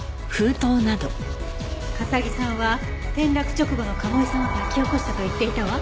笠城さんは転落直後の賀茂井さんを抱き起こしたと言っていたわ。